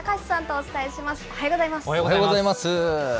おはようございます。